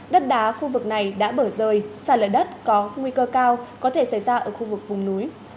đất đá khu vực này đã bở rời xa lở đất có nguy cơ cao có thể xảy ra ở khu vực vùng núi